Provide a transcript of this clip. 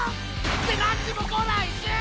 ってなんにも来ないし！